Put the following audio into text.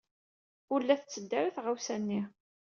Ur la tetteddu ara tɣawsa-nni.